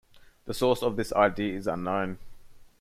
The source of this idea is unknown.